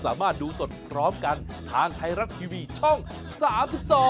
สวัสดีค่ะ